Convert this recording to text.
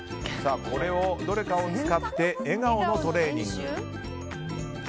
どれかを使って笑顔のトレーニング。